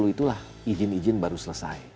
dua ribu sepuluh itulah izin izin baru selesai